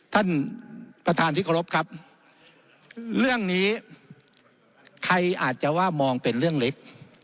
ท่านประธานที่เคารพครับเรื่องนี้ใครอาจจะว่ามองเป็นเรื่องเล็ก